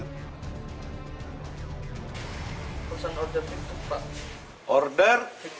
perusahaan order fiktif pak